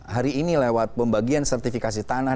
hari ini lewat pembagian sertifikasi tanah